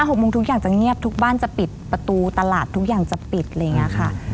๕๖โมงนึงทุกอย่างจะเงียบทุกบ้านจะปิดประตูตลาดทุกอย่างจะปิดเลยไงฮะ